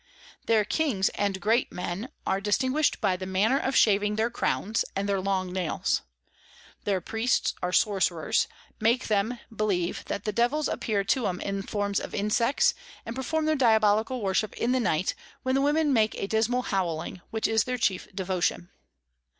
Their Kings and Great Men are distinguish'd by the manner of shaving their Crowns, and their long Nails. Their Priests are Sorcerers, make them believe that the Devils appear to 'em in form of Insects, and perform their diabolical Worship in the night, when the Women make a dismal howling, which is their chief Devotion.